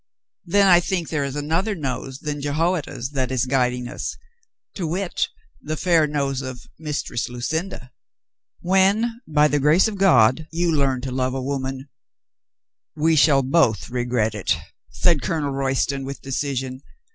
Then I think there is another nose than Jehoiada's that is guiding us — to wit, the fair nose of Mistress Lucinda." "When, by the grace of God, you learn to love a woman —" "We shall both regret it," said Colonel Royston with decision.